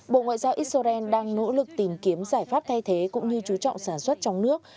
bộ ngoại giao israel đang nỗ lực tìm kiếm giải pháp thay thế cũng như chú trọng sản xuất trong nước